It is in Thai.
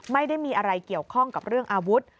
ไม่ได้มีอะไรเกี่ยวข้องกับเรื่องอาวุธ